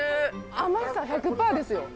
甘さ１００％ですよ。